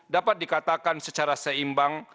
dapat dikatakan secara seimbang